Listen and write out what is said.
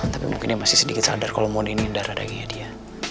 tapi mungkin dia masih sedikit sadar kalau mau nining darah dagingnya dia